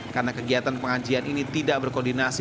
karena kegiatan pengajian ini tidak berkoordinasi